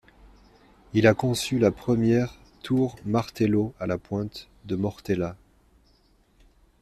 Il a conçu la première tour Martello à la pointe de Mortella.